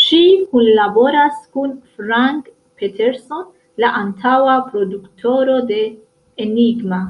Ŝi kunlaboras kun Frank Peterson, la antaŭa produktoro de Enigma.